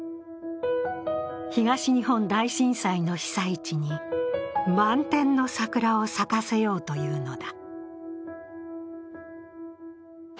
東日本大震災の被災地に満天の桜を咲かせようというのだ。